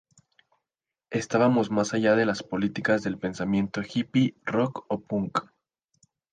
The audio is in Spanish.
Estábamos más allá de las políticas del pensamiento hippie, rock o punk.